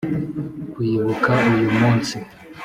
kwibuka uyu munsi.